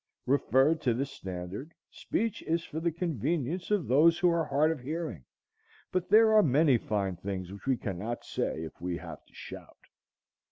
Referred to this standard, speech is for the convenience of those who are hard of hearing; but there are many fine things which we cannot say if we have to shout.